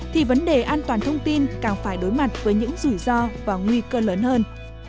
thì vấn đề an toàn thông tin càng phải đối mặt với những rủi ro và nguy cơ lớn hơn